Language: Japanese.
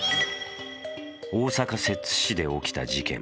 大阪・摂津市で起きた事件。